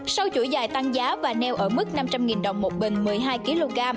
sau chuỗi dài tăng giá và neo ở mức năm trăm linh đồng một bình một mươi hai kg